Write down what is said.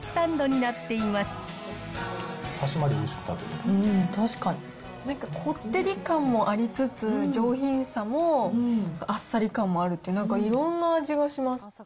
なんかこってり感もありつつ、上品さもあっさり感もあるって、なんかいろんな味がします。